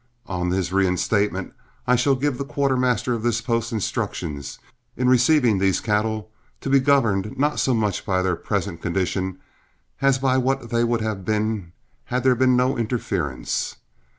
On his reinstatement, I shall give the quartermaster of this post instructions, in receiving these cattle, to be governed, not so much by their present condition as by what they would have been had there been no interference.